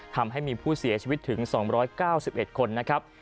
ทำให้มีผู้เสียชีวิตถึง๒๙๑คนนะครับ